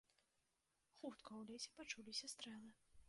Хутка у лесе пачуліся стрэлы.